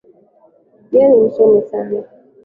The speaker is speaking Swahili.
Yeye ni msomi sana